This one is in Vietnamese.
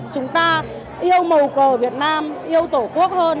chúng ta yêu màu cờ việt nam yêu tổ quốc hơn